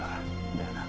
だよな？